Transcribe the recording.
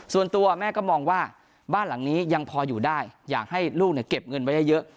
ส่วนตัวแม่ก็มองว่าบ้านหลังนี้ยังพออยู่ได้อยากให้ลูกเก็บเงินไว้ได้เยอะ